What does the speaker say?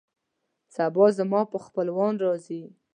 سبا زما خپلوان راځي